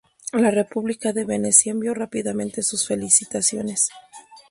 La República de Venecia envió rápidamente sus felicitaciones.